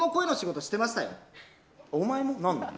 お前も？何の？